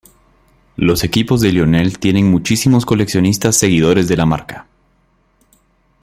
Los equipos de Lionel tienen muchísimos coleccionistas seguidores de la marca.